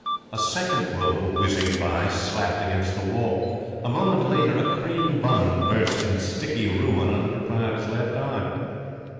A second roll, whizzing by, slapped against the wall. A moment later a cream bun burst in sticky ruin on the proprietor's left eye.